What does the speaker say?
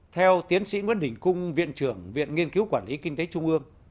theo tiến sĩ nguyễn đình cung viện trưởng viện nghiên cứu quản lý kinh tế trung ương